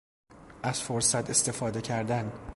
از فرصت استفاده کردن